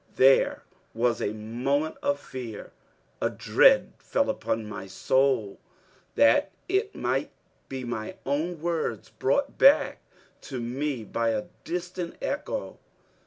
There was a moment of fear. A dread fell upon my soul that it might be my own words brought back to me by a distant echo.